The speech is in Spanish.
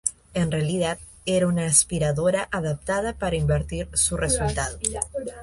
En realidad, era una aspiradora adaptada para invertir su resultado.